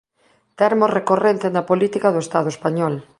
Termo recorrente na política do Estado español.